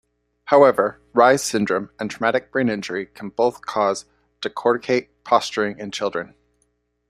However, Reye's syndrome and traumatic brain injury can both cause decorticate posturing in children.